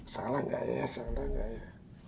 salah gak ya salah nggak ya